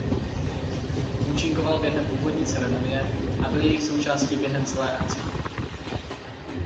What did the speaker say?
Účinkoval během úvodní ceremonie a byl jejich součástí během celé akce.